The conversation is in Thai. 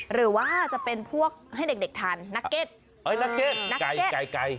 หรือว่าจะเป็นพวกให้เด็กทานนักเก็ตเอ้ยนักเก็ตไก่ไก่